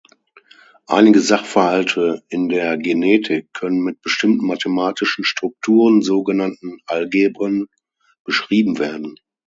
Einige Sachverhalte in der Genetik können mit bestimmten mathematischen Strukturen, sogenannten Algebren, beschrieben werden.